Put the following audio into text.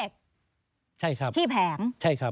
ใช่ครับใช่ครับที่แผง